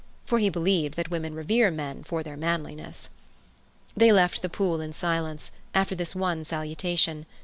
For he believed that women revere men for their manliness. They left the pool in silence, after this one salutation.